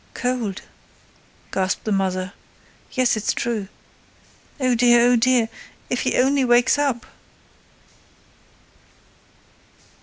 "Cold!" gasped the mother. "Yes—it's true. Oh dear, oh dear—_if he only wakes up!